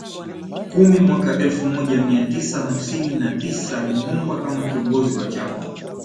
kumi mwaka elfu moja mia tisa hamsini na tisa Lumumba kama kiongozi wa chama